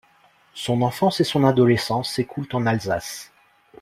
Son enfance et son adolescence s'écoulent en Alsace.